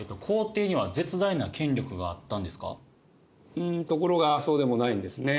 うんところがそうでもないんですね。